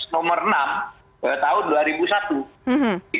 nomor enam tahun dua ribu satu